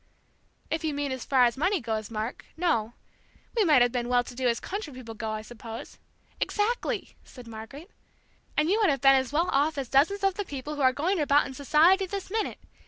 "If you mean as far as money goes, Mark, no. We might have been well to do as country people go, I suppose " "Exactly!" said Margaret; "and you would have been as well off as dozens of the people who are going about in society this minute!